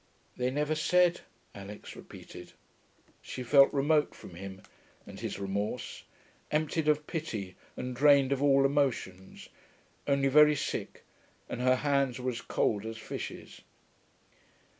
'They never said,' Alix repeated. She felt remote from him and his remorse, emptied of pity and drained of all emotions, only very sick, and her hands were as cold as fishes.